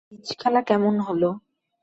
Bridge খেলা কেমন হলো?